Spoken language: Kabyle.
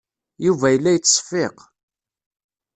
Yuba yella yettseffiq.